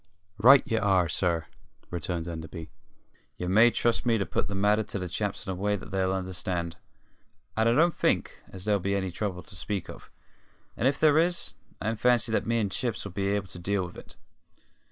"Right ye are, sir," returned Enderby; "ye may trust me to put the matter to the chaps in a way that they'll understand; and I don't think as there'll be any trouble to speak of. And if there is, I fancy that me and Chips 'll be able to deal with it."